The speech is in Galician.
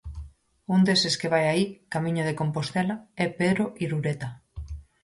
Un deses que vai aí, camiño de Compostela, é Pedro Irureta.